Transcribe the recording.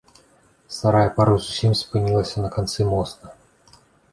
Старая пара зусім спынілася на канцы моста.